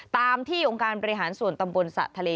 ตามที่องค์การบริหารส่วนตำบลสระทะเล